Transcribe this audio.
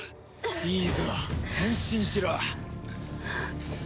いいぞ変身しろ！